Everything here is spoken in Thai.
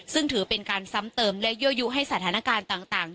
ซึ่งถือเป็นการซ้ำเติมและยั่วยุให้สถานการณ์ต่าง